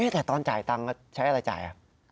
แต่ตอนจ่ายตังค์ใช้อะไรจ่าย